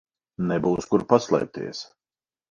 Nebūs kur paslēpties.